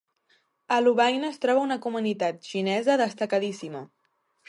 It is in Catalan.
A Lovaina es troba una comunitat xinesa destacadíssima.